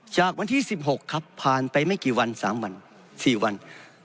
จากวันที่๑๖ครับผ่านไปไม่กี่วัน๓วัน๔วัน